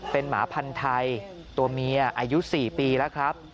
เป็นหมาพันธุ์ไทยตัวเมียอายุ๔ปีแล้วครับ